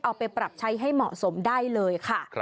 เอาไปปรับใช้ให้เหมาะสมได้เลยค่ะ